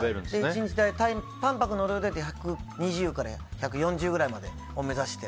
１日、たんぱくの量だけ１２０から１４０くらいまでを目指して。